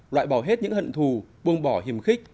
loại bỏ hết những hận thù buông bỏ hiểm khích